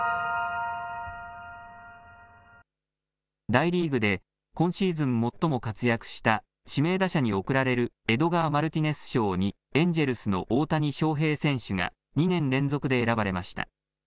大リーグで今シーズン最も活躍した指名打者に贈られるエドガー・マルティネス賞にエンジェルスの大谷翔平選手が２年連続で選ばれました。